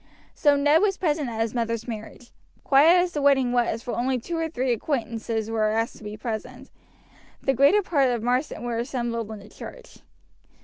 So Ned was present at his mother's marriage. Quiet as the wedding was, for only two or three acquaintances were asked to be present, the greater part of Marsden were assembled in the church.